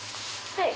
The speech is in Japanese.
はい。